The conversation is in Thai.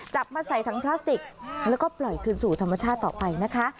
มาใส่ถังพลาสติกแล้วก็ปล่อยคืนสู่ธรรมชาติต่อไปนะคะ